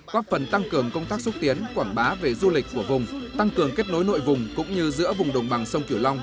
góp phần tăng cường công tác xúc tiến quảng bá về du lịch của vùng tăng cường kết nối nội vùng cũng như giữa vùng đồng bằng sông kiểu long